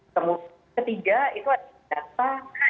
kemudian ketiga itu ada data